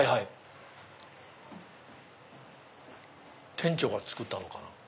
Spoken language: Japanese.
店長が作ったのかな？